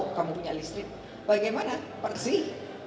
kalau kamu punya listrik bagaimana persih